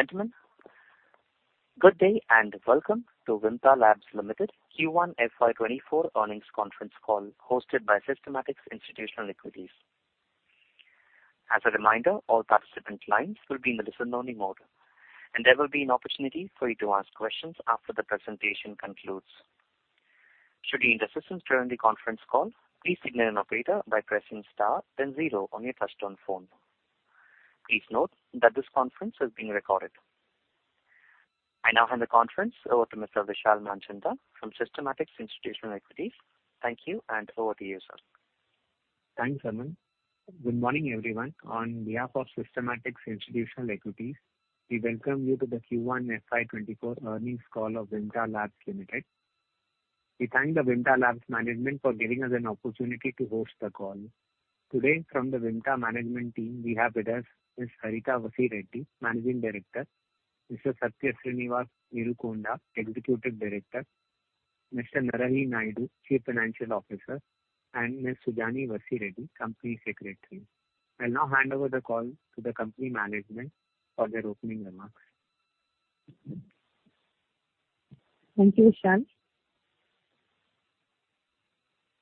Ladies and gentlemen, good day, and welcome to Vimta Labs Limited Q1 FY2024 earnings conference call, hosted by Systematix Institutional Equities. As a reminder, all participant lines will be in the listen-only mode, and there will be an opportunity for you to ask questions after the presentation concludes. Should you need assistance during the conference call, please signal an operator by pressing star then zero on your touchtone phone. Please note that this conference is being recorded. I now hand the conference over to Mr. Vishal Manchanda from Systematix Institutional Equities. Thank you, and over to you, sir. Thanks, Herman. Good morning, everyone. On behalf of Systematix Institutional Equities, we welcome you to the Q1 FY2024 earnings call of Vimta Labs Limited. We thank the Vimta Labs management for giving us an opportunity to host the call. Today, from the Vimta management team, we have with us Ms. Harita Vasireddi, Managing Director, Mr. Satya Sreenivas Neerukonda, Executive Director, Mr. Narahari Naidu, Chief Financial Officer, and Ms. Sujani Vasireddi, Company Secretary. I'll now hand over the call to the company management for their opening remarks. Thank you, Vishal.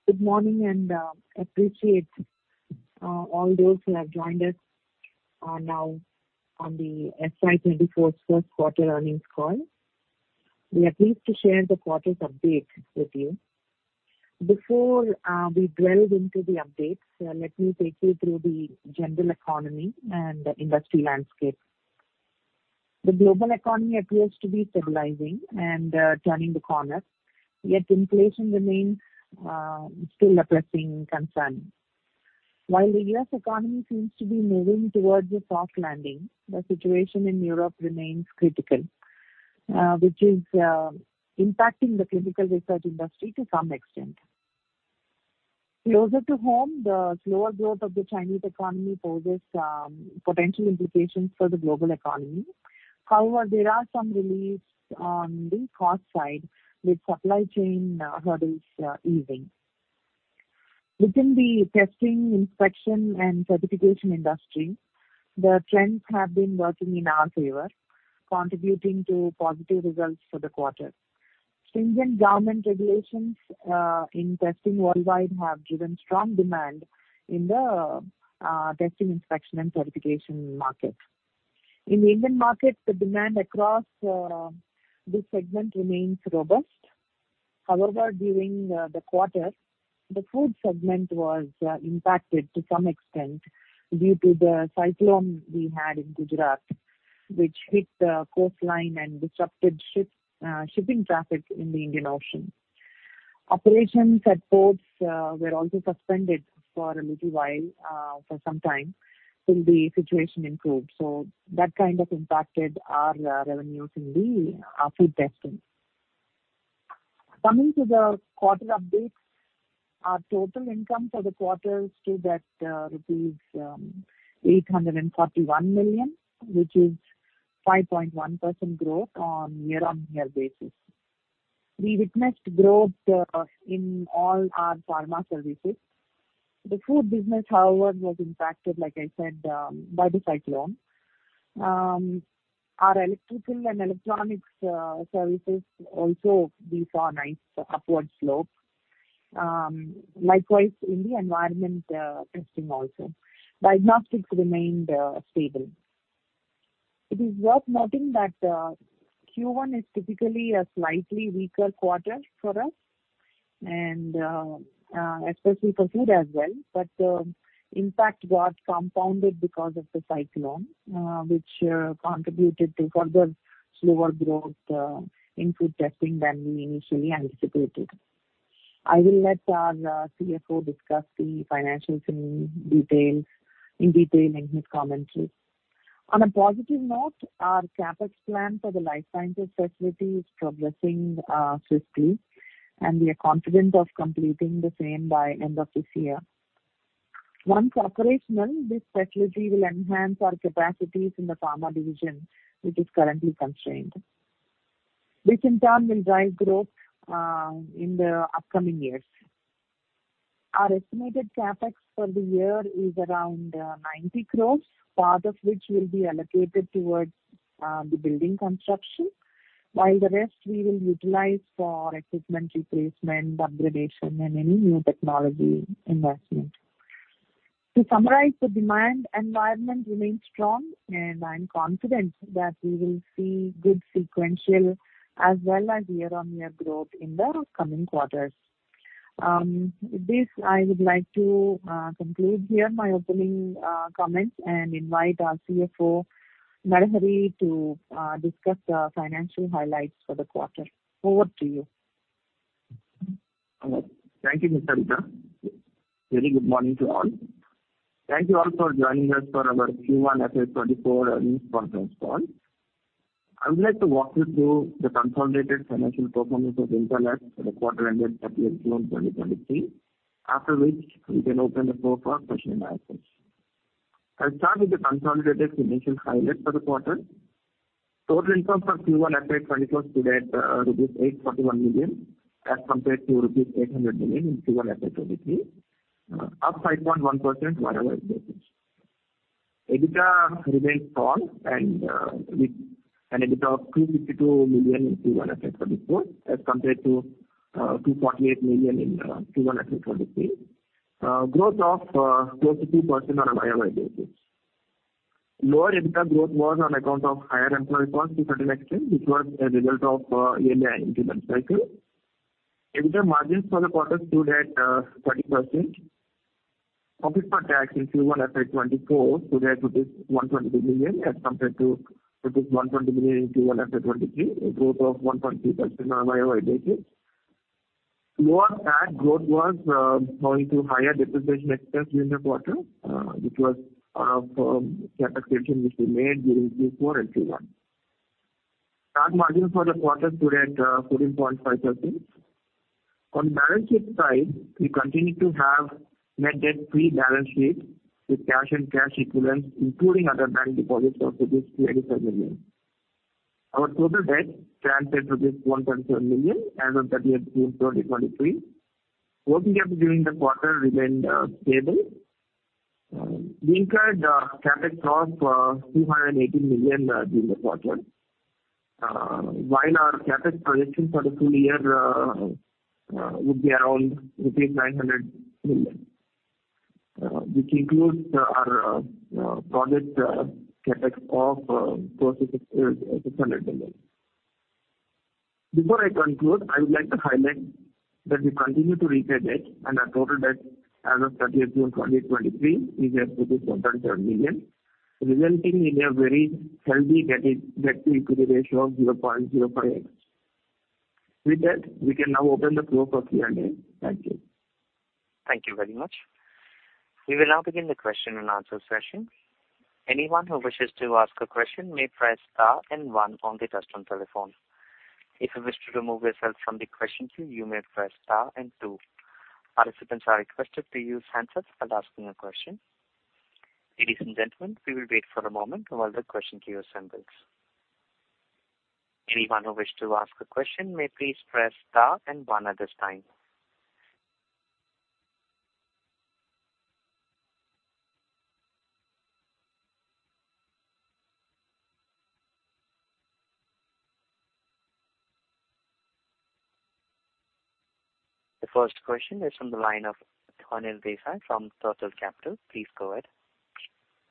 Good morning, appreciate all those who have joined us now on the FY2024 1st quarter earnings call. We are pleased to share the quarter's update with you. Before we delve into the updates, let me take you through the general economy and the industry landscape. The global economy appears to be stabilizing and turning the corner, yet inflation remains still a pressing concern. While the U.S. economy seems to be moving towards a soft landing, the situation in Europe remains critical, which is impacting the clinical research industry to some extent. Closer to home, the slower growth of the Chinese economy poses potential implications for the global economy. However, there are some reliefs on the cost side, with supply chain hurdles easing. Within the testing, inspection, and certification industry, the trends have been working in our favor, contributing to positive results for the quarter. Stringent government regulations in testing worldwide have driven strong demand in the testing, inspection, and certification markets. In the Indian market, the demand across this segment remains robust. However, during the quarter, the food segment was impacted to some extent due to the cyclone we had in Gujarat, which hit the coastline and disrupted shipping traffic in the Indian Ocean. Operations at ports were also suspended for a little while for some time, till the situation improved. That kind of impacted our revenues in the food testing. Coming to the quarter updates, our total income for the quarter stood at rupees 841 million, which is 5.1% growth on year-on-year basis. We witnessed growth in all our pharma services. The food business, however, was impacted, like I said, by the cyclone. Our electrical and electronics services also, these are nice upward slope. Likewise, in the environment testing also. Diagnostics remained stable. It is worth noting that Q1 is typically a slightly weaker quarter for us and especially for food as well. The impact got compounded because of the cyclone, which contributed to further slower growth in food testing than we initially anticipated. I will let our CFO discuss the financials in detail in his commentary. On a positive note, our CapEx plan for the life sciences facility is progressing swiftly, and we are confident of completing the same by end of this year. Once operational, this facility will enhance our capacities in the pharma division, which is currently constrained. This in turn will drive growth in the upcoming years. Our estimated CapEx for the year is around 90 crore, part of which will be allocated towards the building construction, while the rest we will utilize for equipment replacement, upgradation, and any new technology investment. To summarize, the demand environment remains strong, and I'm confident that we will see good sequential as well as year-on-year growth in the coming quarters. With this, I would like to conclude here my opening comments and invite our CFO, Narahari, to discuss the financial highlights for the quarter. Over to you. Thank you, Ms. Harita. Very good morning to all. Thank you all for joining us for our Q1 FY2024 earnings conference call. I would like to walk you through the consolidated financial performance of Vimta Labs for the quarter ended April, June 2023, after which we can open the floor for question and answers. I'll start with the consolidated financial highlights for the quarter. Total income from Q1 FY2024 stood at rupees 841 million, as compared to rupees 800 million in Q1 FY23, up 5.1% YOY basis. EBITDA remains strong and with an EBITDA of 252 million in Q1 FY2024, as compared to 248 million in Q1 FY23. Growth of 42% on a YOY basis. Lower EBITDA growth was on account of higher employee costs, INR 30 million, which was a result of yearly increment cycle. EBITDA margins for the quarter stood at 30%. Profit for tax in Q1 FY2024 stood at 122 million, as compared to 120 million in Q1 FY23, a growth of 1.2% on YOY basis. Lower tax growth was owing to higher depreciation expense in the quarter, which was from capitalization, which we made during Q4 and Q1. Tax margin for the quarter stood at 14.5%. On balance sheet side, we continue to have net debt free balance sheet, with cash and cash equivalents, including other bank deposits, of 387 million. Our total debt stands at 137 million as of 30 June 2023. Working capital during the quarter remained stable. We incurred CapEx cost of 280 million during the quarter. While our CapEx projections for the full year would be around rupees 900 million, which includes our project CapEx of close to 600 million. Before I conclude, I would like to highlight that we continue to repay debt, and our total debt as of June 30th 2023 is at 1.7 million, resulting in a very healthy debt, debt-to-equity ratio of 0.05. With that, we can now open the floor for Q&A. Thank you. Thank you very much. We will now begin the question and answer session. Anyone who wishes to ask a question may press star one on the touchtone telephone. If you wish to remove yourself from the question queue, you may press star two. Participants are requested to use handsets while asking a question. Ladies and gentlemen, we will wait for a moment while the question queue assembles. Anyone who wish to ask a question may please press star one at this time. The 1st question is from the line of Kunal Desai from Turtle Capital. Please go ahead.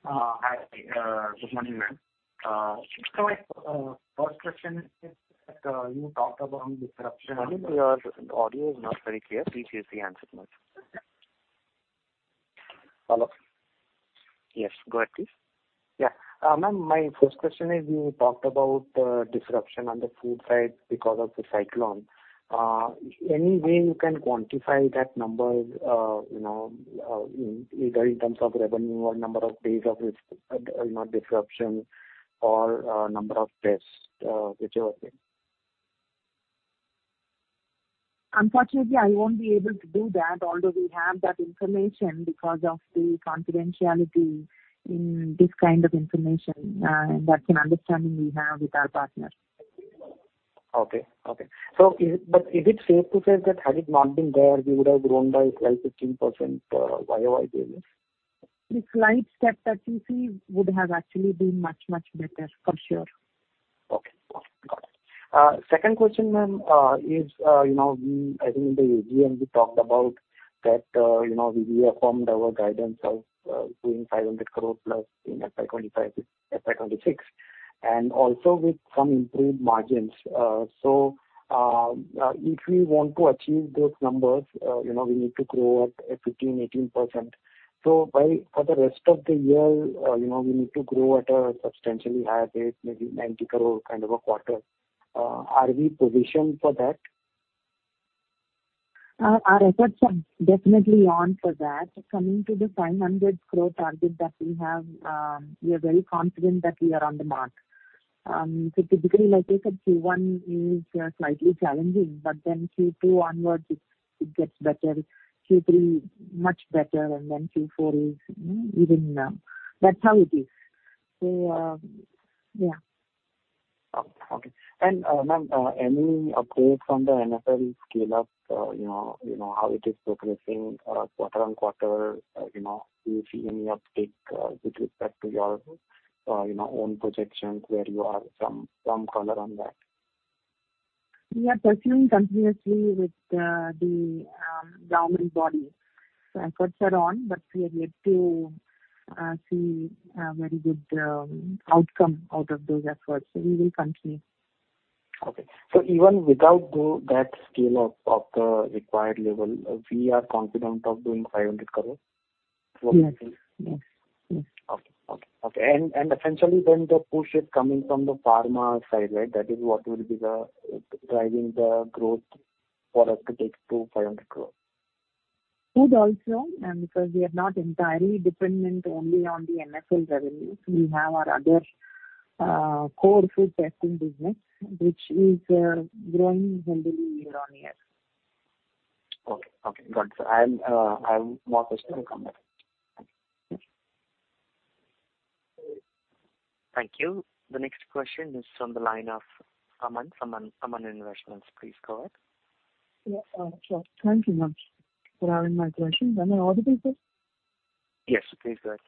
Hi, good morning, ma'am. My 1st question is that, you talked about disruption... Pardon me, your audio is not very clear. Please use the handset mode. Hello. Yes, go ahead, please. Yeah. Ma'am, my 1st question is, you talked about disruption on the food side because of the cyclone. Any way you can quantify that number, you know, either in terms of revenue or number of days of this, you know, disruption or number of tests, whichever thing? Unfortunately, I won't be able to do that, although we have that information because of the confidentiality in this kind of information. That's an understanding we have with our partners. Okay. Okay. Is it safe to say that had it not been there, we would have grown by 5-15% YOY basis? The slight step that you see would have actually been much, much better, for sure. Okay. Okay, got it. 2nd question, ma'am, is, you know, I think in the AGM, we talked about that, you know, we reaffirmed our guidance of doing 500 crore+ in FY25-FY26, and also with some improved margins. If we want to achieve those numbers, you know, we need to grow at a 15%-18%. By, for the rest of the year, you know, we need to grow at a substantially higher rate, maybe 90 crore, kind of a quarter. Are we positioned for that? Our efforts are definitely on for that. Coming to the 500 crore target that we have, we are very confident that we are on the mark. Typically, like I said, Q1 is slightly challenging, but then Q2 onwards, it, it gets better. Q3, much better, and then Q4 is, you know, even better. That's how it is. Yeah. Okay. ma'am, any update from the NFL scale-up, you know, you know, how it is progressing, quarter-on-quarter? you know, do you see any uptick, with respect to your, you know, own projections, where you are? Some, some color on that? We are pursuing continuously with the governing body. Efforts are on, but we are yet to see a very good outcome out of those efforts. We will continue. Okay. Even without the, that scale of, of the required level, we are confident of doing 500 crore? Yes. Yes. Yes. Okay. Okay. Okay, essentially then the push is coming from the pharma side, right? That is what will be the driving the growth for us to take to 500 crore. Food also, and because we are not entirely dependent only on the NFL revenues, we have our other, core food testing business, which is, growing healthy year on year. Got it. I'm, I have more question to come back. Thank you. The next question is from the line of Aman Investments. Please go ahead. Yeah, sure. Thank you much for having my question. Am I audible, sir? Yes, please go ahead.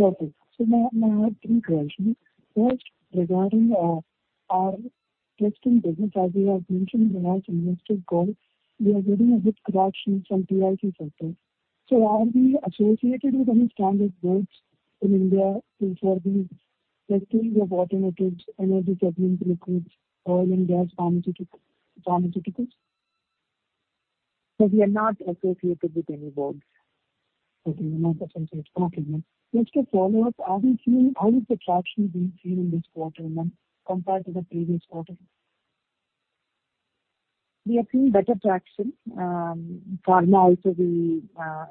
Okay. Now I have three questions. 1st, regarding our testing business, as you have mentioned in our investor call, we are getting a good traction from TIC sector. Are we associated with any standard boards in India for the testing of alternatives, energy segment, liquids, oil and gas, pharmaceuticals? We are not associated with any boards. Okay, not associated. Okay, ma'am. Just a follow-up, are we seeing... How is the traction being seen in this quarter, ma'am, compared to the previous quarter? We are seeing better traction. Pharma also we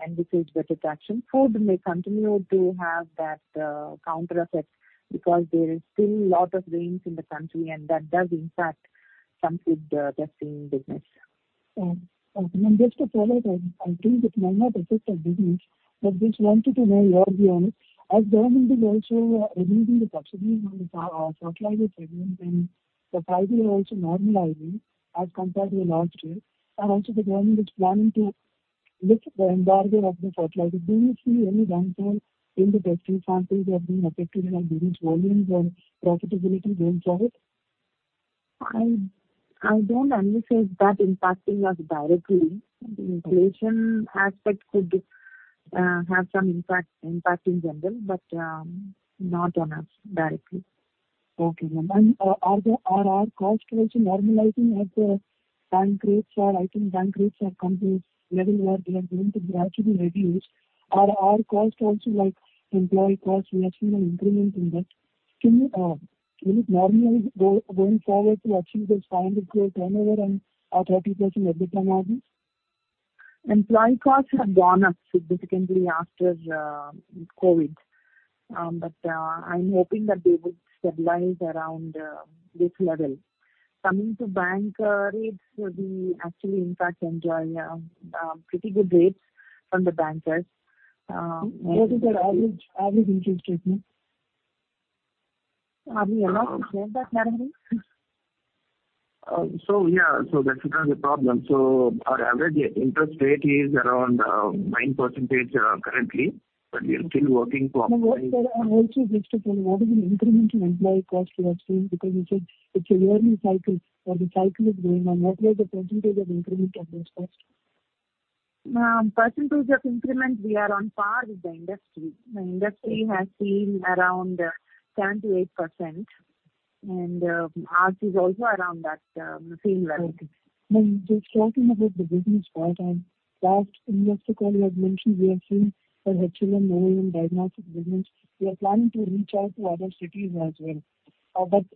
anticipate better traction. Food may continue to have that counter effect because there is still lot of rains in the country, and that does impact some food testing business. Yeah. Okay, ma'am, just a follow-up. I think it might not affect our business, but just wanted to know your view on it. As government is also removing the subsidies on the fertilizer segment, and the prices are also normalizing as compared to the last year, and also the government is planning to lift the embargo of the fertilizer. Do you see any downfall in the testing samples have been affected and have reduced volumes and profitability going forward? I, I don't anticipate that impacting us directly. The inflation aspect could, have some impact, impact in general, but, not on us directly. Okay, ma'am. Are our costs also normalizing as the bank rates are... I think bank rates have come to a level where they are going to gradually reduce. Are our costs also, like employee costs, we have seen an improvement in that. Can you, will it normalize going forward to achieve this INR 500 crore turnover and our 30% EBITDA margins? Employee costs have gone up significantly after COVID, but I'm hoping that they would stabilize around this level. Coming to bank rates, we actually in fact enjoy pretty good rates from the bankers. What is your average, average interest rate, ma'am? Are we allowed to share that, Narain? Yeah, so that's another problem. Our average interest rate is around 9%, currently, but we are still working to optimize- Also just to confirm, what is the increment in employee cost you are seeing? Because you said it's a yearly cycle, but the cycle is going on. What was the % of increment of those costs? Percentage of increment, we are on par with the industry. The industry has seen around 7%-8%. Ours is also around that same level. Okay. Ma'am, just talking about the business part, last investor call you had mentioned, we are seeing our HLM model in diagnostic business. We are planning to reach out to other cities as well.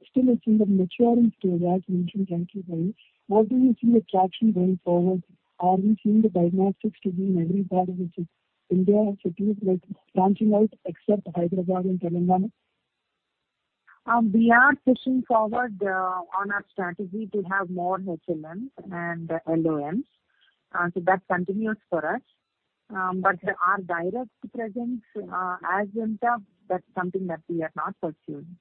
Still it's in the maturing stage, as mentioned previously. What do you see the traction going forward? Are we seeing the diagnostics to be in every part of the India cities like branching out except Hyderabad and Telangana? We are pushing forward on our strategy to have more HLMs and LOMs. That continues for us. Our direct presence as Azenta, that's something that we are not pursuing.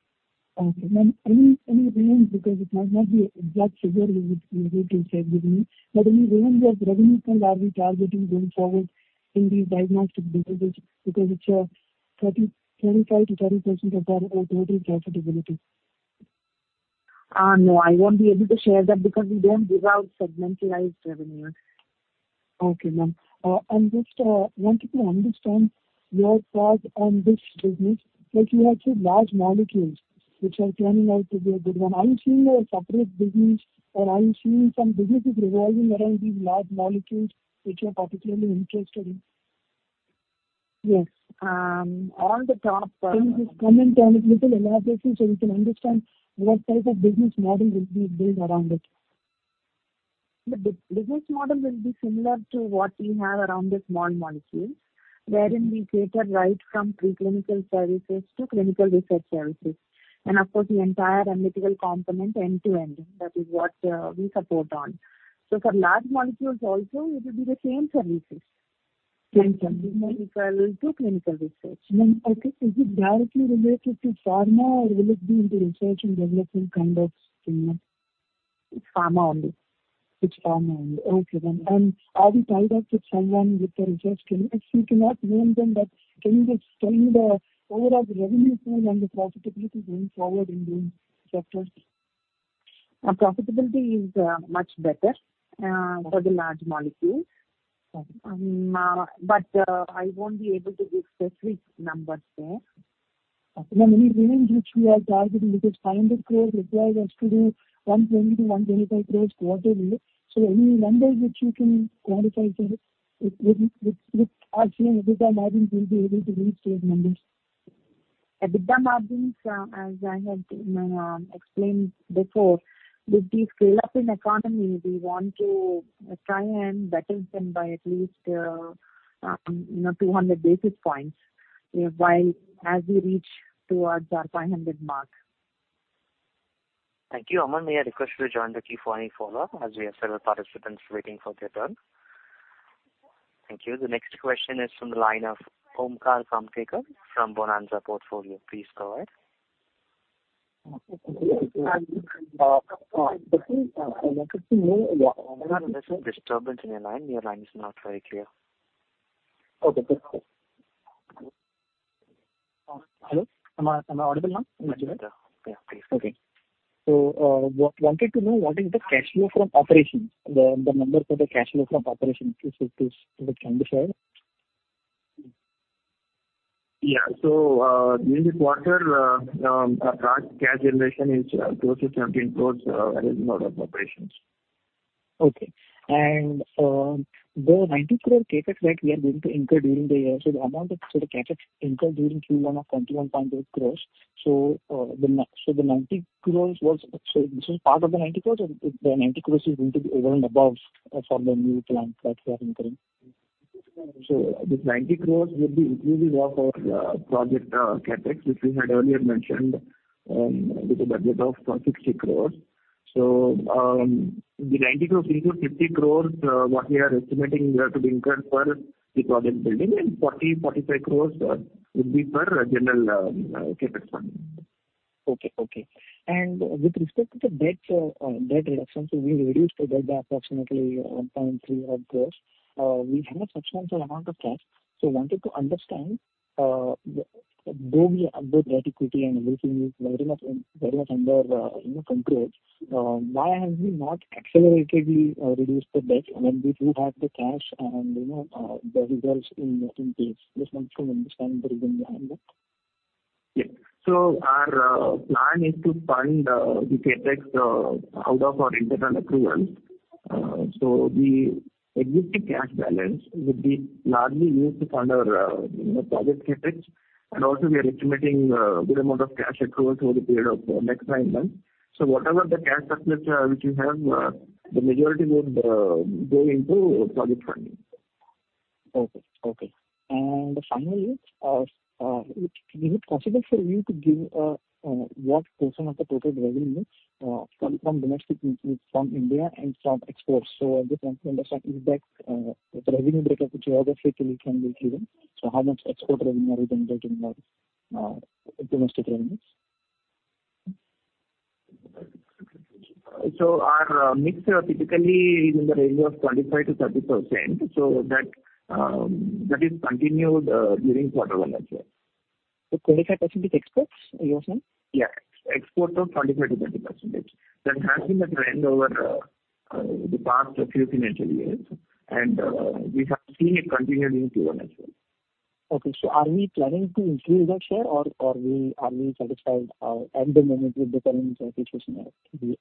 Okay, ma'am. Any, any range, because it might not be exact figure which you would say with me, but any range of revenues are we targeting going forward in the diagnostic business? Because it's a 30, 25%-30% of our total profitability. No, I won't be able to share that because we don't give out segmentalized revenue. Okay, ma'am. Just wanted to understand your thoughts on this business. Like you had said, large molecules, which are turning out to be a good one. Are you seeing a separate business, or are you seeing some businesses revolving around these large molecules, which you are particularly interested in? Yes, all the top- Can you just comment on it little elaboration, so we can understand what type of business model will be built around it? The business model will be similar to what we have around the small molecules, wherein we cater right from preclinical services to clinical research services. Of course, the entire analytical component, end-to-end, that is what we support on. For large molecules also, it will be the same services, same services, pre-clinical to clinical research. Ma'am, okay. Is it directly related to pharma, or will it be in the research and development kind of thing? It's pharma only. It's pharma only. Okay, ma'am. Are we tied up with someone with the research team? If you cannot name them, but can you just tell me the overall revenue pool and the profitability going forward in these sectors? Our profitability is much better for the large molecule. Okay. I won't be able to give specific numbers there. Okay, ma'am. Any range which we are targeting, because 500 crore requires us to do 120 crore-125 crore, quarterly. Any numbers which you can quantify, sir, with our seeing EBITDA margins, will be able to reach those numbers. EBITDA margins, as I had explained before, with the fill-up in economy, we want to try and better them by at least, you know, 200 basis points, while as we reach towards our 500 mark.... Thank you. Aman, may I request you to join the queue for any follow-up, as we have several participants waiting for their turn? Thank you. The next question is from the line of Omkar Kamtekar from Bonanza Portfolio. Please go ahead. Uh, uh, There's a disturbance in your line. Your line is not very clear. Okay. Hello, am I, am I audible now? Yeah. Okay. Wanted to know, what is the cash flow from operations, the, the number for the cash flow from operations, if it, if it can be shared? Yeah. During the quarter, our cash generation is close to 17 crores and is part of operations. Okay. The 90 crore CapEx that we are going to incur during the year, the CapEx incurred during Q1 of 21.8 crore. The 90 crore was... This is part of the 90 crore, or the 90 crore is going to be over and above from the new plant that we are incurring? This 90 crore will be including of our project CapEx, which we had earlier mentioned, with a budget of 60 crore. The 90 crore includes 50 crore, what we are estimating we have to incur for the project building, and 40, 45 crore would be for general CapEx funding. Okay, okay. With respect to the debt reduction, so we reduced the debt by approximately 1.3 crore. We have a substantial amount of cash, so wanted to understand, though the debt equity and everything is very much, very much under, you know, control, why have we not accelerated the reduce the debt when we do have the cash and, you know, the results in, in place? Just want to understand the reason behind that. Yes. Our plan is to fund the CapEx out of our internal accruals. The existing cash balance would be largely used to fund our, you know, project CapEx. Also we are estimating good amount of cash accrual through the period of next nine months. Whatever the cash surplus which we have, the majority would go into project funding. Okay, okay. Finally, would, will it possible for you to give, what portion of the total revenue come from domestic, from India and from exports? I just want to understand if that, the revenue breakup geographically can be given. How much export revenue are we generating or, domestic revenues? Our mix typically is in the range of 25%-30%, so that that is continued during quarter one as well. 25% is exports, you are saying? Yeah. Exports are 25%-30%. That has been the trend over the past few financial years, and we have seen it continued in Q1 as well. Okay. are we planning to increase that share or, or are we satisfied, at the moment with the current situation there?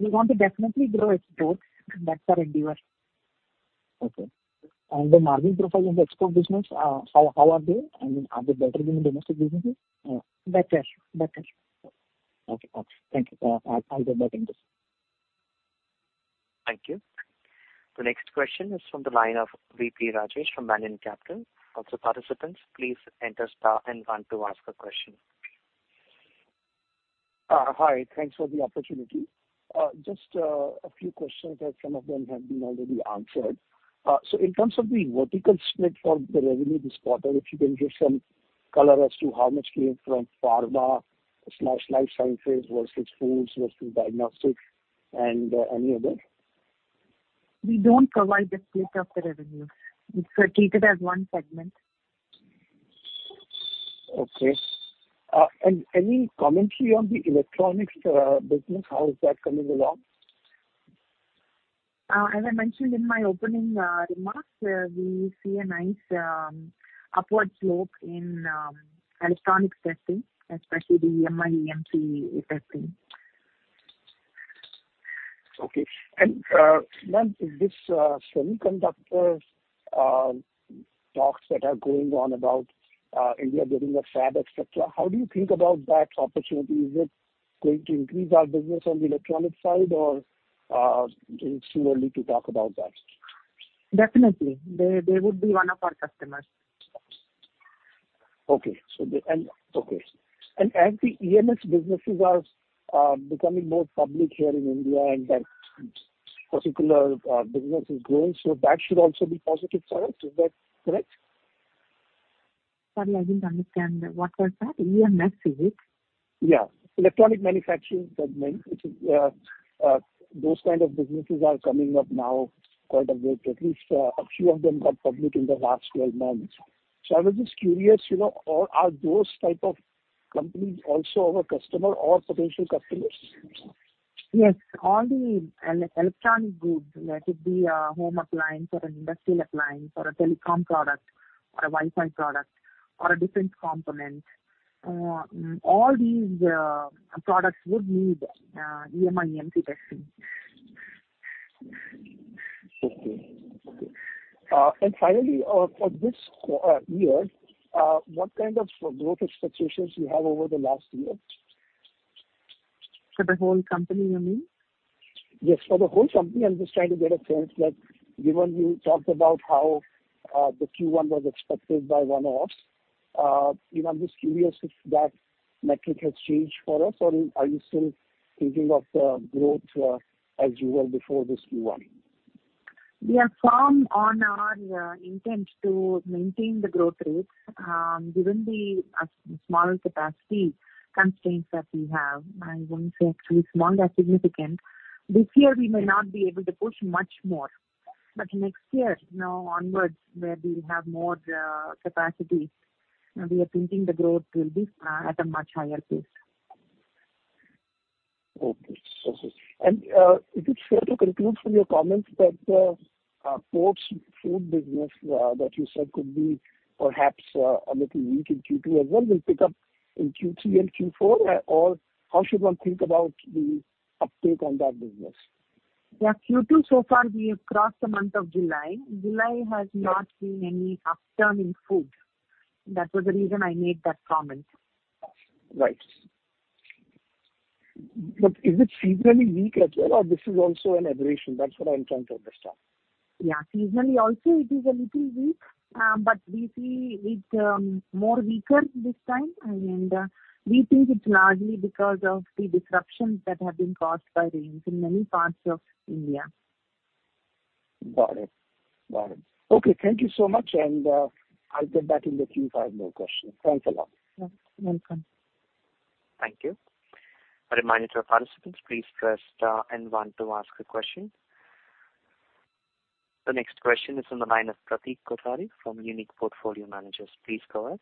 We want to definitely grow exports. That's our endeavor. Okay. The margin profile of the export business, how are they, and are they better than the domestic businesses? Better. Better. Okay, okay. Thank you. I'll get back into this. Thank you. The next question is from the line of V.P. Rajesh from Mania Capital. Also, participants, please enter star one to ask a question. Hi. Thanks for the opportunity. Just a few questions, some of them have been already answered. In terms of the vertical split for the revenue this quarter, if you can give some color as to how much came from pharma/life sciences versus foods versus diagnostics and any other? We don't provide the split of the revenue. It's treated as one segment. Okay. Any commentary on the electronics business, how is that coming along? As I mentioned in my opening remarks, we see a nice upward slope in electronics testing, especially the EMI, EMC testing. Okay. ma'am, this, semiconductors, talks that are going on about, India building a fab, et cetera, how do you think about that opportunity? Is it going to increase our business on the electronic side or, it's too early to talk about that? Definitely, they, they would be one of our customers. Okay. As the EMS businesses are becoming more public here in India, and that particular business is growing, so that should also be positive side. Is that correct? Sorry, I didn't understand. What was that? EMS, is it? Yeah, electronic manufacturing segment, which is, those kind of businesses are coming up now quite a bit. At least, a few of them got public in the last 12 months. I was just curious, you know, are, are those type of companies also our customer or potential customers? Yes, all the electronic goods, whether it be a home appliance or an industrial appliance or a telecom product or a Wi-Fi product or a different component, all these products would need EMI, EMC testing. Okay. Finally, for this year, what kind of growth expectations you have over the last year? For the whole company, you mean? Yes, for the whole company. I'm just trying to get a sense that given you talked about how, the Q1 was affected by one-offs, you know, I'm just curious if that metric has changed for us, or are you still thinking of the growth, as you were before this Q1? We are firm on our intent to maintain the growth rate. Given the smaller capacity constraints that we have, I won't say actually small, they're significant. This year we may not be able to push much more, but next year, you know, onwards, where we have more capacity, we are thinking the growth will be at a much higher pace. Okay. Is it fair to conclude from your comments that the food business that you said could be perhaps a little weak in Q2 as well, will pick up in Q3 and Q4, or how should one think about the uptake on that business? Yeah. Q2, so far, we have crossed the month of July. July has not seen any upturn in food. That was the reason I made that comment. Right. Is it seasonally weak as well, or this is also an aberration? That's what I'm trying to understand. Yeah. Seasonally also, it is a little weak, but we see it more weaker this time. We think it's largely because of the disruptions that have been caused by rains in many parts of India. Got it. Got it. Okay, thank you so much, and, I'll get back in the queue if I have more questions. Thanks a lot. You're welcome. Thank you. A reminder to our participants, please press, and 1 to ask a question. The next question is on the line of Pratik Kothari from Unique Asset Management. Please go ahead.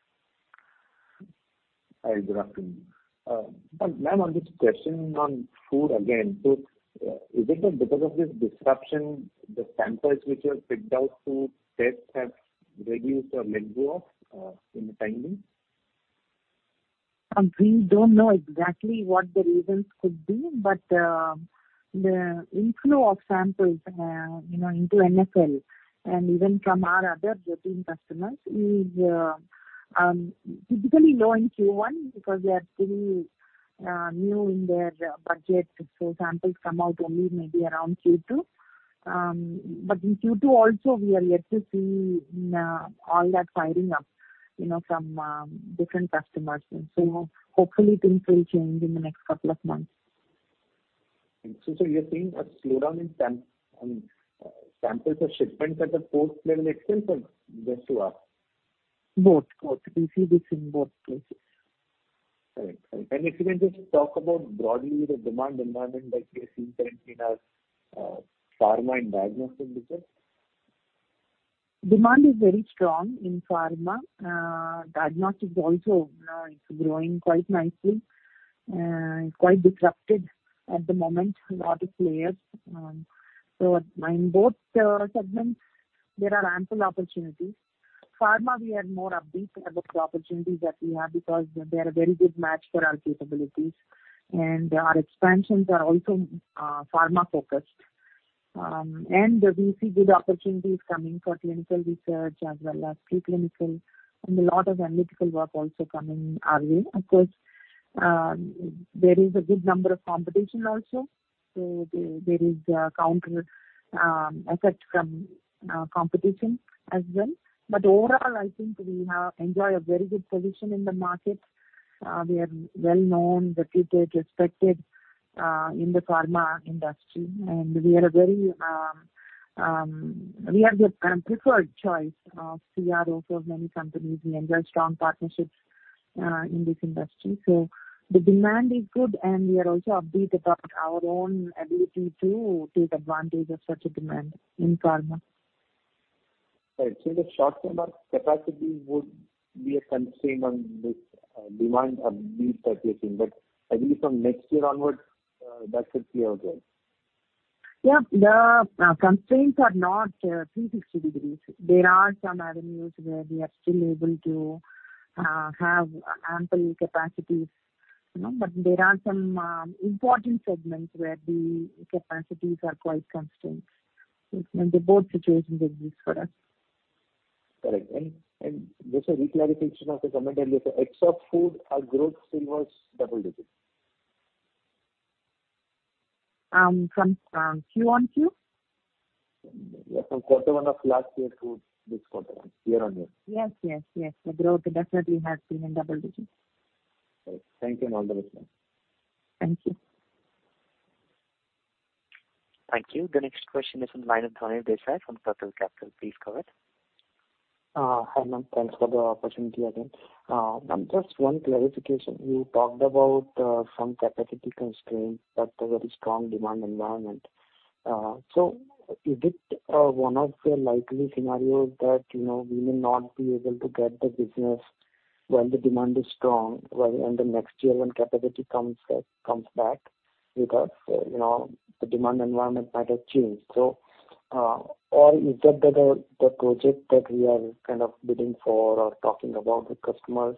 Hi, good afternoon. ma'am, on this question on food again, so, is it that because of this disruption, the samples which are picked out to test have reduced or let go of, in the timing? We don't know exactly what the reasons could be, but the inflow of samples, you know, into NFL and even from our other routine customers is typically low in Q1 because we are still new in their budget. Samples come out only maybe around Q2. In Q2 also, we are yet to see all that firing up, you know, from different customers. Hopefully things will change in the next couple of months. So you're seeing a slowdown in I mean, samples or shipments at the port level itself or just to us? Both, both. We see this in both places. All right. If you can just talk about broadly the demand environment that you are seeing currently in, pharma and diagnostic business? Demand is very strong in pharma. Diagnostics also, it's growing quite nicely. It's quite disrupted at the moment, a lot of players. So in both segments, there are ample opportunities. Pharma, we are more upbeat about the opportunities that we have because they are a very good match for our capabilities. Our expansions are also pharma-focused. We see good opportunities coming for clinical research as well as preclinical, and a lot of analytical work also coming our way. Of course, there is a good number of competition also. There, there is a counter effect from competition as well. Overall, I think we have enjoyed a very good position in the market. We are well-known, reputed, respected in the pharma industry. We are a very preferred choice CRO for many companies. We enjoy strong partnerships in this industry. The demand is good, and we are also upbeat about our own ability to take advantage of such a demand in pharma. Right. The short-term capacity would be a constraint on this demand upbeat that you're seeing. At least from next year onwards, that should be okay. Yeah. The constraints are not 360 degrees. There are some avenues where we are still able to have ample capacities, you know, but there are some important segments where the capacities are quite constrained. Both situations exist for us. Correct. Just a reclarification of the comment earlier, except food, our growth still was double digits? From Q on Q? Yeah, from quarter one of last year to this quarter, year-on-year. Yes, yes, yes. The growth definitely has been in double digits. Right. Thank you, and all the best, ma'am. Thank you. Thank you. The next question is on the line of Dhanesh Desai from Circle Capital. Please go ahead. Hi, ma'am. Thanks for the opportunity again. Ma'am, just one clarification. You talked about some capacity constraints, but a very strong demand environment. Is it one of the likely scenarios that, you know, we may not be able to get the business when the demand is strong, the next year when capacity comes back because, you know, the demand environment might have changed? Or is it that the project that we are kind of bidding for or talking about with customers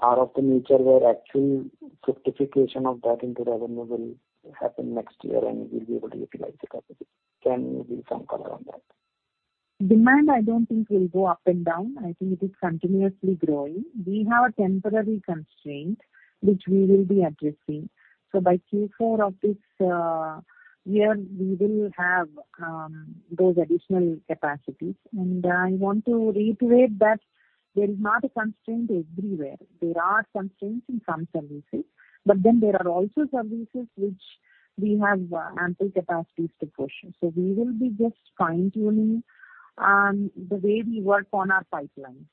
are of the nature where actual certification of that into revenue will happen next year, and we'll be able to utilize the capacity? Can you give some color on that?... Demand, I don't think will go up and down. I think it is continuously growing. We have a temporary constraint, which we will be addressing. By Q4 of this year, we will have those additional capacities. I want to reiterate that there is not a constraint everywhere. There are constraints in some services, but then there are also services which we have ample capacities to push. We will be just fine-tuning the way we work on our pipelines.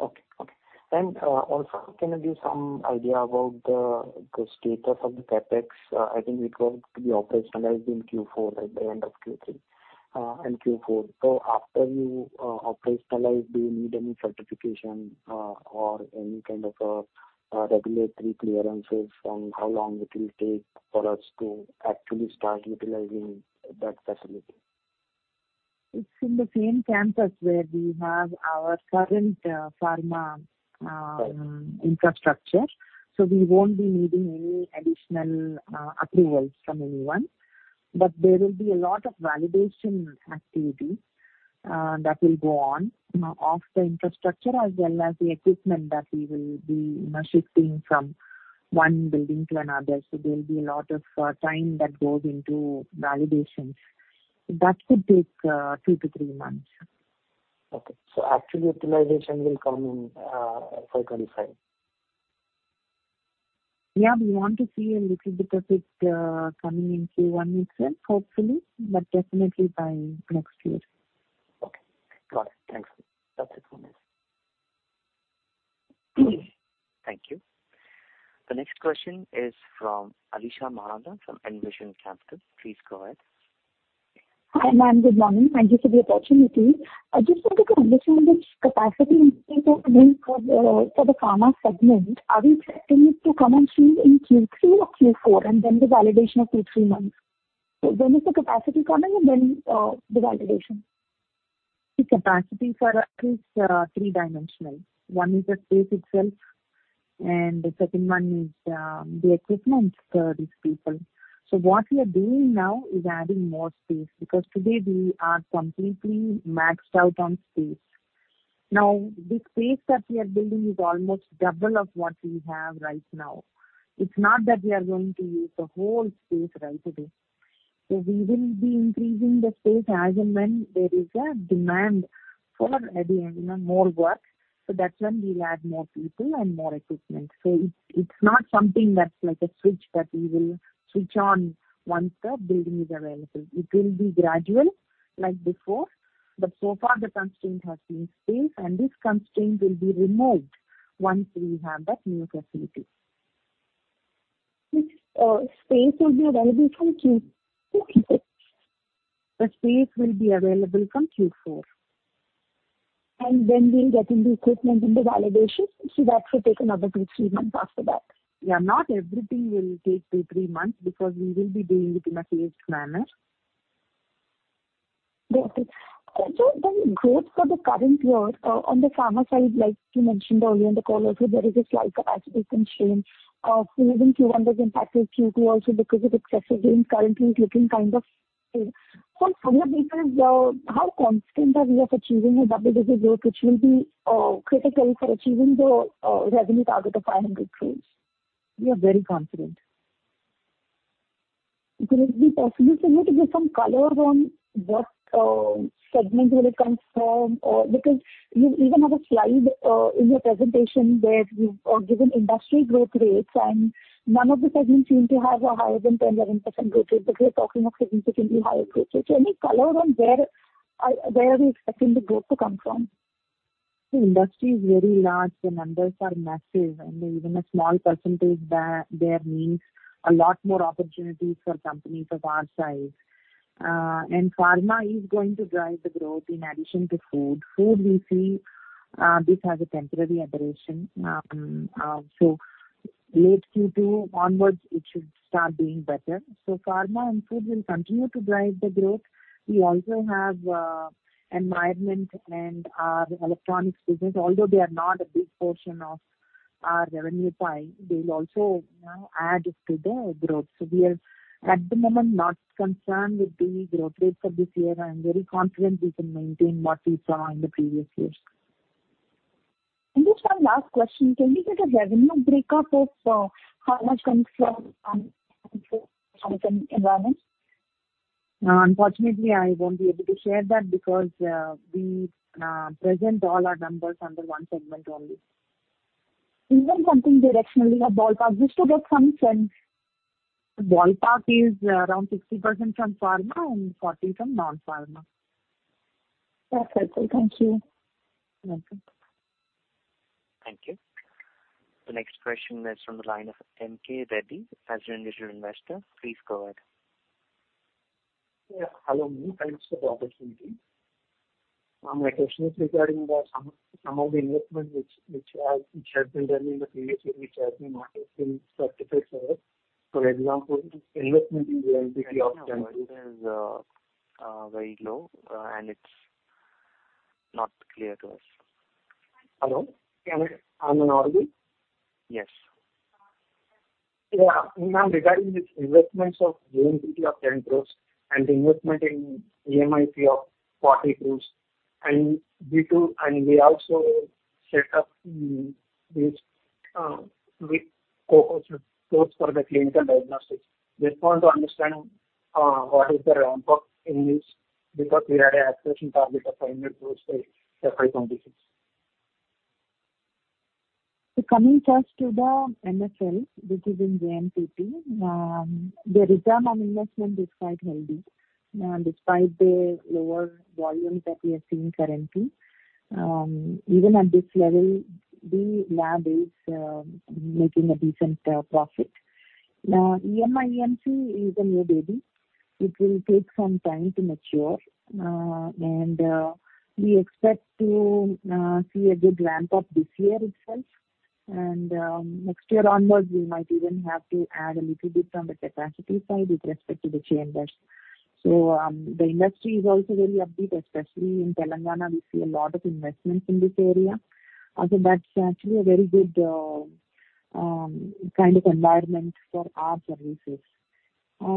Okay. Okay. Also, can you give some idea about the, the status of the CapEx? I think it was to be operationalized in Q4, at the end of Q3, and Q4. After you operationalize, do you need any certification, or any kind of, regulatory clearances, and how long it will take for us to actually start utilizing that facility? It's in the same campus where we have our current pharma infrastructure. We won't be needing any additional approvals from anyone. There will be a lot of validation activities that will go on, you know, of the infrastructure as well as the equipment that we will be, you know, shifting from one building to another. There'll be a lot of time that goes into validations. That could take two to three months. Okay. actual utilization will come in, fiscal 5? Yeah. We want to see a little bit of it, coming in Q1 itself, hopefully, but definitely by next year. Okay. Got it. Thanks. That's it for me. Thank you. The next question is from Alisha Mahajan from Envision Capital. Please go ahead. Hi, ma'am. Good morning. Thank you for the opportunity. I just wanted to understand this capacity increase of coming for the, for the pharma segment. Are we expecting it to come and see in Q3 or Q4, and then the validation of 2, 3 months? When is the capacity coming and then the validation? The capacity for at least, three dimensional. One is the space itself, and the 2nd one is the equipment for these people. What we are doing now is adding more space, because today we are completely maxed out on space. The space that we are building is almost double of what we have right now. It's not that we are going to use the whole space right away. We will be increasing the space as and when there is a demand for adding, you know, more work. That's when we'll add more people and more equipment. It's, it's not something that's like a switch that we will switch on once the building is available. It will be gradual, like before, but so far the constraint has been space, and this constraint will be removed once we have that new facility. Which space will be available from Q4? The space will be available from Q4. When we'll get in the equipment and the validation, that should take another two to 3 months after that? Yeah. Not everything will take two to 3 months, because we will be doing it in a phased manner. Got it. Then growth for the current year, on the Pharma side, like you mentioned earlier in the call, also, there is a slight capacity constraint. Even Q1 was impacted, Q2 also, because of excessive gains, currently is looking kind of slow. From your basis, how confident are we of achieving a double-digit growth, which will be, critically for achieving the revenue target of 500 crore? We are very confident. Could it be possible for you to give some color on what segment will it come from? Because you even have a slide in your presentation where you've given industry growth rates, and none of the segments seem to have a higher than 10, 11% growth rate, but we are talking of significantly higher growth rates. Any color on where are we expecting the growth to come from? The industry is very large, the numbers are massive, and even a small percentage there, there means a lot more opportunities for companies of our size. Pharma is going to drive the growth in addition to food. Food, we see, this as a temporary aberration. Late Q2 onwards, it should start being better. Pharma and food will continue to drive the growth. We also have environment and our electronics business, although they are not a big portion of our revenue pie, they'll also, you know, add to the growth. We are, at the moment, not concerned with the growth rate for this year. I'm very confident we can maintain what we saw in the previous years. Just one last question: Can we get a revenue breakup of how much comes from... environment? Unfortunately, I won't be able to share that because we present all our numbers under one segment only. Even something directionally or ballpark, just to get some sense. Ballpark is around 60% from pharma and 40% from non-pharma. That's helpful. Thank you. Welcome. Thank you. The next question is from the line of N.K. Reddy, as an individual investor. Please go ahead. Yeah. Hello, ma'am. Thanks for the opportunity. My question is regarding the some of the investment which has been done in the previous year, which has been not been successful. For example, investment in the MPD of-... Audio is very low, and it's not clear to us. Hello, can you hear me now, okay? Yes.... Yeah, ma'am, regarding the investments of JNPT of 10 crore and investment in EMI/EMC of 40 crore, we also set up this with co-coaches, both for the clinical diagnostics. Just want to understand what is the ramp-up in this, because we had an aspiration target of 500 crore by separate conditions. Coming 1st to the NFL, which is in JNPT, the return on investment is quite healthy despite the lower volumes that we are seeing currently. Even at this level, the lab is making a decent profit. Now, EMI/EMC is a new baby. It will take some time to mature, we expect to see a good ramp-up this year itself. Next year onwards, we might even have to add a little bit from the capacity side with respect to the chambers. The industry is also very upbeat, especially in Telangana. We see a lot of investments in this area. Also, that's actually a very good kind of environment for our services.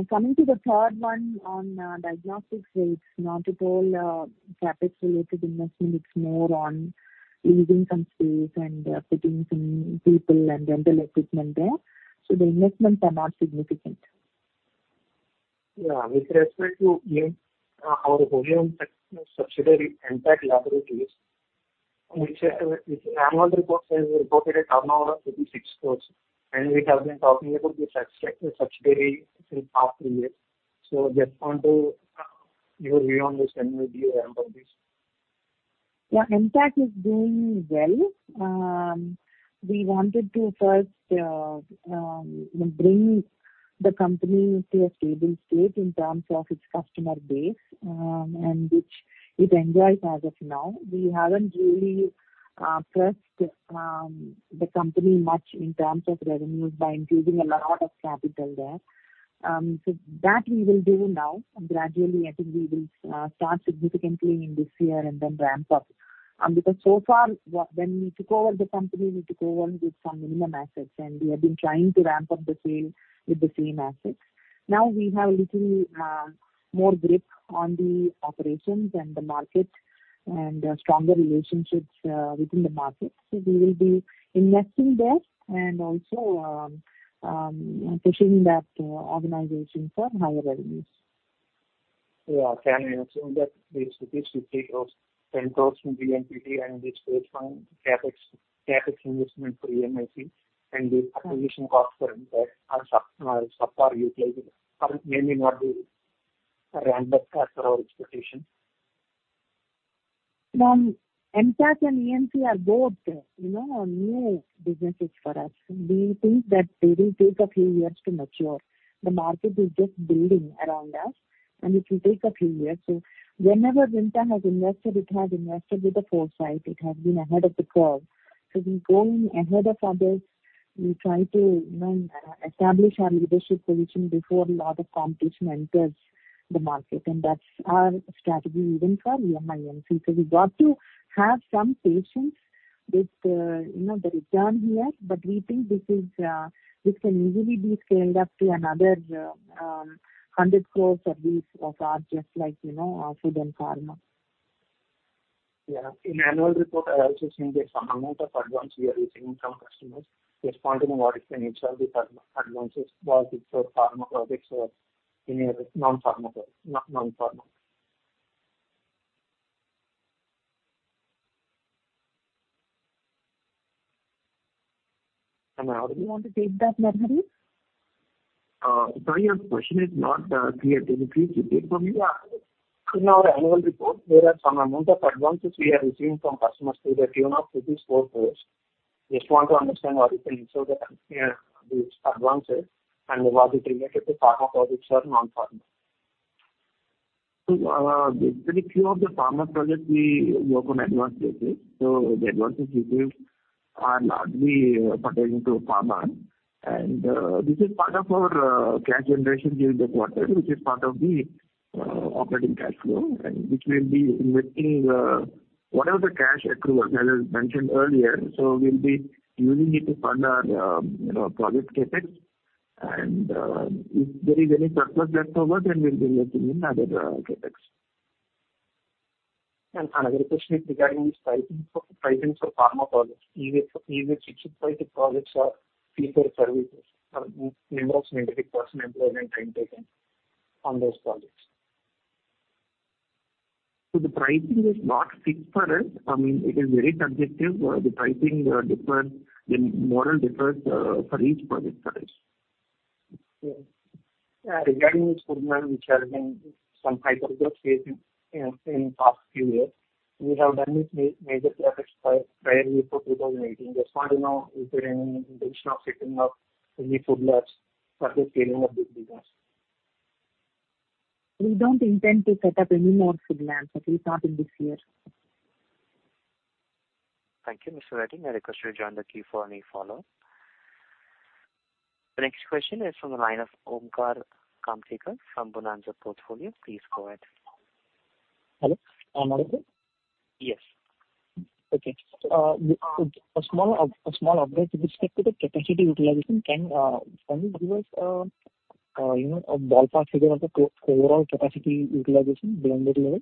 Coming to the 3rd one on diagnostics, it's not at all capital-related investment. It's more on using some space and putting some people and dental equipment there. The investments are not significant. Yeah. With respect to, in, our wholly owned subsidiary, Impact Laboratories, which, which annual report says we reported a turnover of INR 56 crore, and we have been talking about this subsidiary for the past three years. Just want to, your view on this, and would you remember this? Yeah. Impact is doing well. We wanted to 1st bring the company to a stable state in terms of its customer base, and which it enjoys as of now. We haven't really pressed the company much in terms of revenues by including a lot of capital there. That we will do now. Gradually, I think we will start significantly in this year and then ramp up. So far, when we took over the company, we took over with some minimum assets, and we have been trying to ramp up the sales with the same assets. Now we have a little more grip on the operations and the market and stronger relationships within the market. We will be investing there and also pushing that organization for higher revenues. Yeah. Can I assume that this INR 50 crore, INR 10 crore from JNPT and this based on CapEx, CapEx investment for EMI/EMC and the acquisition costs for Impact are subpar utilization, or maybe not the ramp up as per our expectation? Impact and EMI/EMC are both, you know, new businesses for us. We think that they will take a few years to mature. The market is just building around us, and it will take a few years. Whenever Vimta has invested, it has invested with the foresight. It has been ahead of the curve. We going ahead of others, we try to, you know, establish our leadership position before a lot of competition enters the market, and that's our strategy even for EMI/EMC. We've got to have some patience with, you know, the return here, but we think this is, this can easily be scaled up to another 100 crore service of our just like, you know, our food and pharma. Yeah. In annual report, I also seen the some amount of advance we are receiving from customers. Just want to know what is the nature of the pharma advances, was it for pharma products or in a non-pharmaco, non-pharma? Ma'am, how do you want to take that, Narahari? Sorry, your question is not clear. Can you please repeat for me? In our annual report, there are some amount of advances we are receiving from customers to the tune of 54 crore. Just want to understand what you can ensure these advances and was it related to pharma products or non-pharma? Very few of the pharma products we work on advance basis. The advances we receive are largely pertaining to pharma. This is part of our cash generation during the quarter, which is part of the operating cash flow, and which will be investing whatever the cash accrual, as I mentioned earlier. We'll be using it to fund our, you know, project CapEx. If there is any surplus left over, then we'll be investing in other CapEx. Another question is regarding pricing for pharma products. In which specific projects are fee for services, number of person employment, time taken on those projects? The pricing is not fixed for us. I mean, it is very subjective. The pricing differs, the model differs, for each project for us. Yeah. Regarding this program, which has been some hyper growth phase in past few years, we have done this major projects by, prior to 2018. Just want to know if there are any intention of setting up any food labs for the scaling of this business? We don't intend to set up any more food labs, at least not in this year. Thank you, Mr. Reddy. I request you to join the queue for any follow-up. The next question is from the line of Omkar Kamtekar from Bonanza Portfolio. Please go ahead. Hello? Am I audible? Yes. Okay. A small upgrade with respect to the capacity utilization, can you give us, you know, a ballpark figure of the total overall capacity utilization blended level?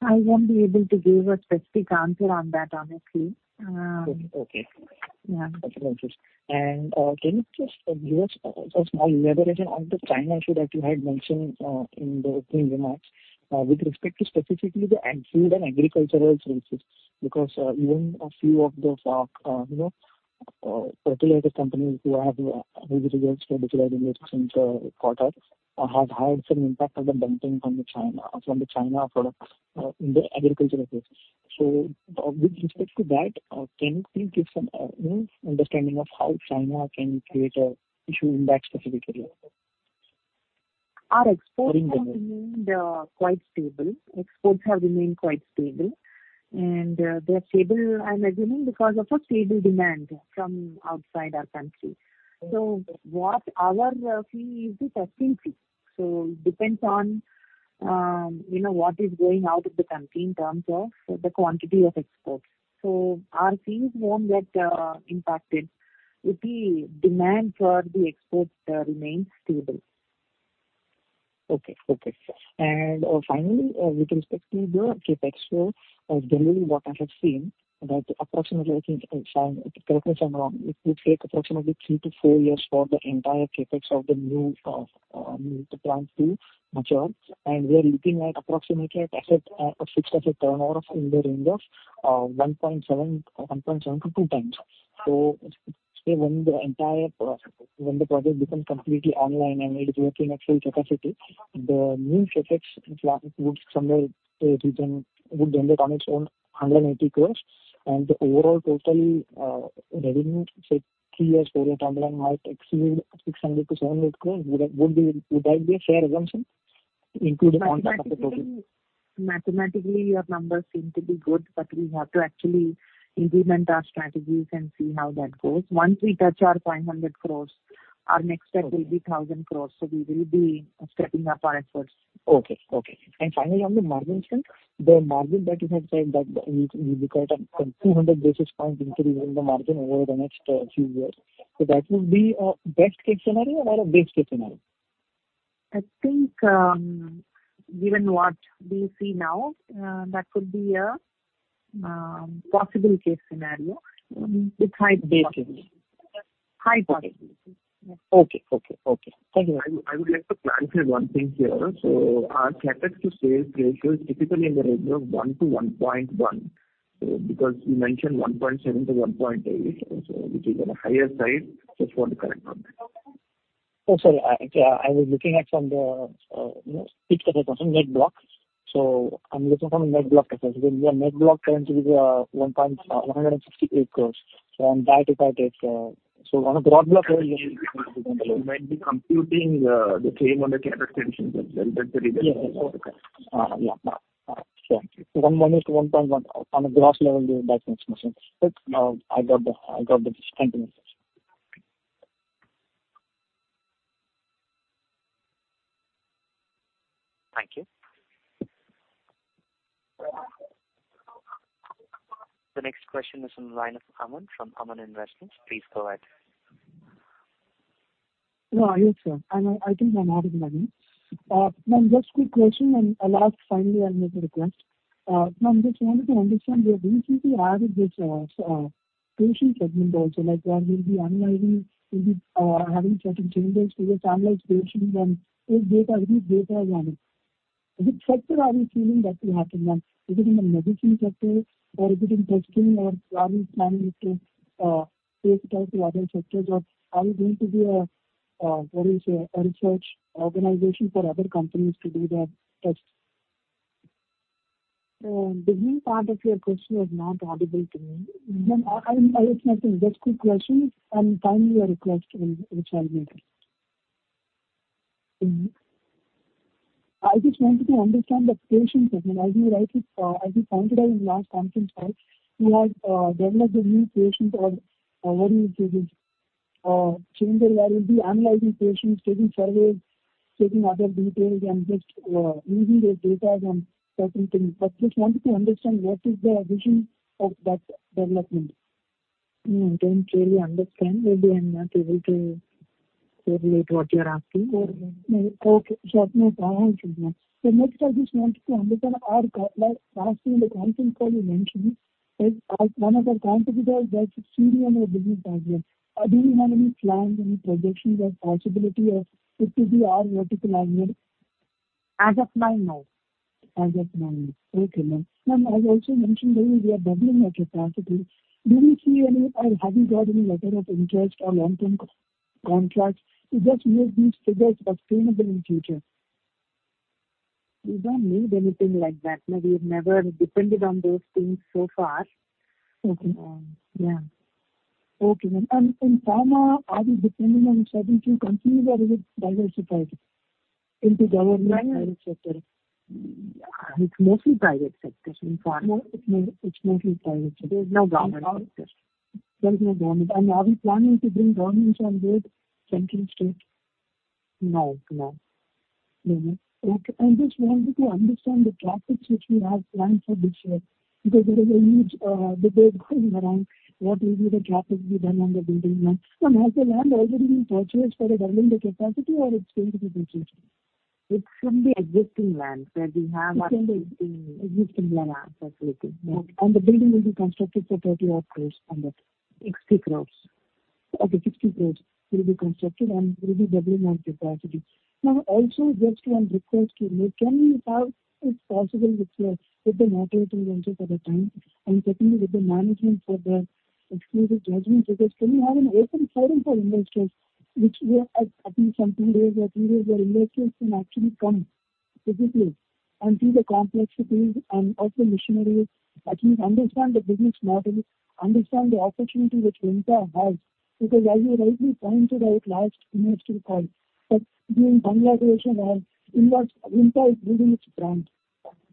I won't be able to give a specific answer on that, honestly. Okay. Yeah. Can you just give us a small elaboration on the China issue that you had mentioned in the opening remarks with respect to specifically the food and agricultural services? Because even a few of those, you know, populated companies who have good results or better results in the quarter, have had some impact of the dumping from the China, from the China products in the agricultural space. With respect to that, can you please give some, you know, understanding of how China can create an issue in that specific area? Our exports have remained quite stable. Exports have remained quite stable, and they are stable, I'm assuming, because of a stable demand from outside our country. What our fee is the testing fee. Depends on, you know, what is going out of the country in terms of the quantity of exports. Our fees won't get impacted if the demand for the exports remains stable. Okay. Okay. Finally, with respect to the CapEx flow, generally what I have seen, that approximately I think, if I'm, correct me if I'm wrong, it would take approximately three to four years for the entire CapEx of the new new plant to mature. We are looking at approximately at asset, a fixed asset turnover in the range of 1.7-2 times. When the entire when the project becomes completely online and it is working at full capacity, the new CapEx plan would somewhere return, would generate on its own 180 crore. The overall total revenue, say, three years period timeline, might exceed 600 crore-700 crore. Would that, would be, would that be a fair assumption including the cost of the project? Mathematically, your numbers seem to be good, but we have to actually implement our strategies and see how that goes. Once we touch our 500 crores, our next step will be 1,000 crores, so we will be stepping up our efforts. Okay. Okay. Finally, on the margins, the margin that you had said that you, you require a 200 basis point increase in the margin over the next few years. That would be a best case scenario or a base case scenario? I think, given what we see now, that could be a possible case scenario. It's high basis. High possibility. Okay. Okay. Okay. I would like to clarify one thing here. Our CapEx to sales ratio is typically in the range of 1-1.1. Because you mentioned 1.7-1.8, which is on the higher side, just want to correct on that. Oh, sorry. I, I was looking at from the, you know, net blocks. I'm looking from a net block perspective. The net block tends to be 168 crore. From that, on a broad block- You might be computing, the INR 300 CapEx. Yes. yeah. 1 minus to 1.1 on a gross level, that makes more sense. I got the point. Thank you. Thank you. The next question is from Line of, from Aman Investments. Please go ahead. No, I hear you, sir. I think I'm audible now. Ma'am, just quick question and last, finally, I make a request. Ma'am, just wanted to understand, we recently added this patient segment also, like, where we'll be analyzing, we'll be having certain changes to your timeline solutions and those data, any data is running. Is it sector are you feeling that you have to run? Is it in the medicine sector, or is it in testing, or are you planning to take it out to other sectors, or are you going to be a, what do you say, a research organization for other companies to do their tests? The 1st part of your question was not audible to me. Ma'am, I, I, it's nothing, just quick question, and finally a request, which I'll make. I just wanted to understand the patient segment. As you rightly, as you pointed out in last conference call, you have developed a new patient or, what do you call this? changer, where you'll be analyzing patients, taking surveys, taking other details, and just using their data on certain things. Just wanted to understand, what is the vision of that development? I don't really understand. Maybe I'm not able to correlate what you're asking. Okay. I've made my point then. Next, I just wanted to understand, are, like, last in the conference call you mentioned, like, as one of our competitors that is purely on your business idea. Do you have any plans, any projections or possibility of it to be our vertical alignment? As of now, no. As of now, no. Okay, Ma'am. Ma'am, I also mentioned that you are doubling your capacity. Do you see any, or have you got any letter of interest or long-term contracts to just make these figures sustainable in future? We don't need anything like that. No, we have never depended on those things so far. Okay. Yeah. Okay, ma'am. In pharma, are you dependent on certain few countries, or is it diversified into government private sector? It's mostly private sector in foreign. It's mostly, it's mostly private sector. There's no government sector. There's no government. Are we planning to bring government on board, central state? No, no. No. Okay. I just wanted to understand the CapEx which we have planned for this year, because there is a huge, debate going around what will be the CapEx be done on the building land. Has the land already been purchased for the doubling the capacity or it's going to be purchased? It should be existing land that we have- Existing land. Yeah, absolutely. The building will be constructed for 30 odd crores on that. 60 crore. Okay, 60 crore will be constructed and will be doubling our capacity. Now, also just one request to make, can we have, if possible, with the, with the moderator, once you have the time, and certainly with the management for the exclusive judgment, because can we have an open forum for investors, which we are at least some two days or three days, where investors can actually come physically and see the complexities and also missionaries at least understand the business model, understand the opportunity which Vimta has. As you rightly pointed out last investor call, but during congregation and invest, Vimta is building its brand,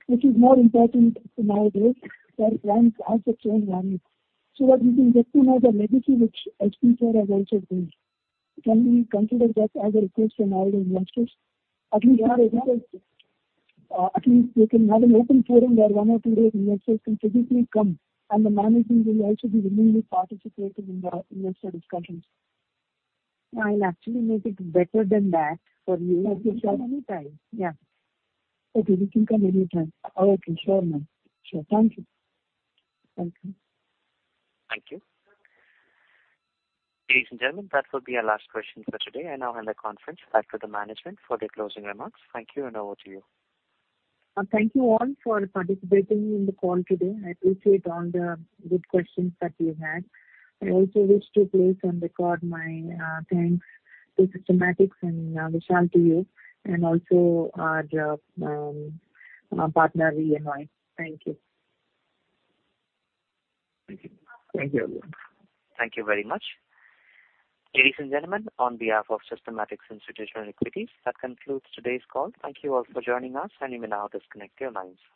which is more important nowadays, where brands have the same value. That we can get to know the legacy which HP has also built. Can we consider that as a request from all the investors? At least we are available. At least we can have an open forum where one or two days investors can physically come, and the management will also be willingly participating in the investor discussions. I'll actually make it better than that for you. Okay. Anytime. Yeah. Okay. We can come anytime. Okay. Sure, ma'am. Sure. Thank you. Thank you. Thank you. Ladies and gentlemen, that will be our last question for today. I now hand the conference back to the management for their closing remarks. Thank you, and over to you. Thank you all for participating in the call today. I appreciate all the good questions that you had. I also wish to place on record my thanks to Systematix and Vishal to you, and also our partner, VNY. Thank you. Thank you. Thank you, everyone. Thank you very much. Ladies and gentlemen, on behalf of Systematix Institutional Equities, that concludes today's call. Thank you all for joining us, and you may now disconnect your lines.